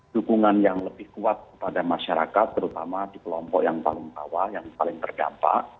dukungan yang lebih kuat kepada masyarakat terutama di kelompok yang paling bawah yang paling terdampak